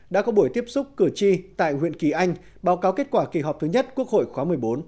đã có buổi tiếp xúc cử tri tại huyện kỳ anh báo cáo kết quả kỳ họp thứ nhất quốc hội khóa một mươi bốn